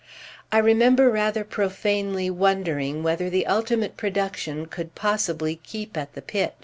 I remember rather profanely wondering whether the ultimate production could possibly keep at the pitch.